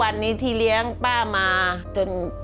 รายการต่อไปนี้เป็นรายการทั่วไปสามารถรับชมได้ทุกวัย